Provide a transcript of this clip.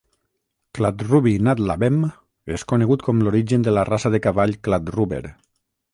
Kladruby nad Labem és conegut com l'origen de la raça de cavall Kladruber.